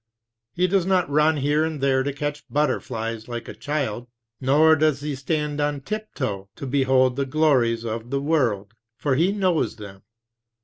He does cot run here and there to catch butterflies, like a child; nor does he stand on tiptoe to behold the glories of the world, for he knows them.